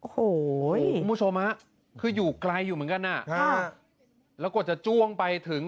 โหยคุณผู้ชมฮะคืออยู่ไกลอยู่เหมือนกันอ่ะค่ะแล้วก็จะจ้วงไปถึง